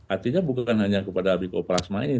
artinya bukan hanya kepada ricoplasma ini